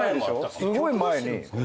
すごい前に。